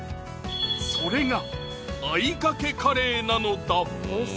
それがあいがけカレーなのだ